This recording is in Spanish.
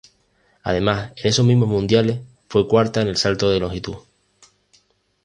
Además en esos mismos mundiales fue cuarta en salto de longitud.